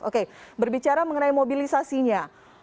oke berbicara mengenai mobilisasinya